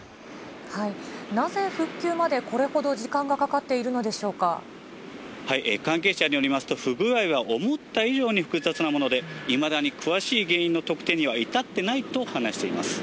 なぜ復旧まで、これほど時間関係者によりますと、不具合は思った以上に複雑なもので、いまだに詳しい原因の特定には至ってないと話しています。